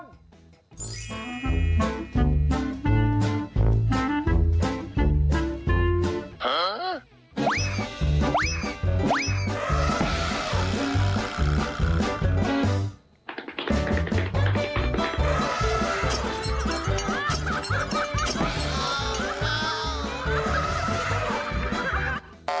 หา